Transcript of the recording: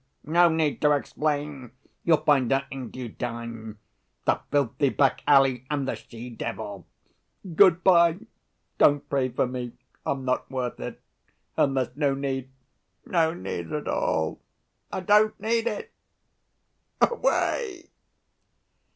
No need to explain. You'll find out in due time. The filthy back‐alley and the she‐ devil. Good‐by. Don't pray for me, I'm not worth it. And there's no need, no need at all.... I don't need it! Away!"